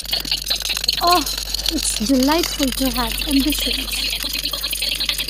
Oh, it’s delightful to have ambitions.